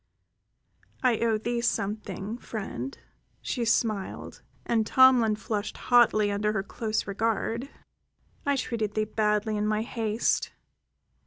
"I owe thee something, friend," she smiled, and Tomlin flushed hotly under her close regard. "I treated thee badly in my haste.